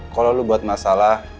kalau lo buat masalah